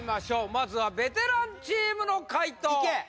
まずはベテランチームの解答いけ！